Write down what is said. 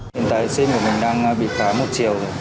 hiện tại sim của mình đang bị khóa một triệu